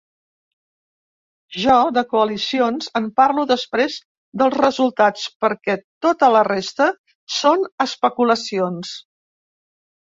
Jo, de coalicions, en parlo després dels resultats, perquè tota la resta són especulacions.